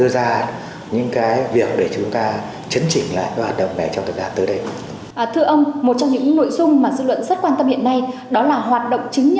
và những sai phạm đó sẽ được xử lý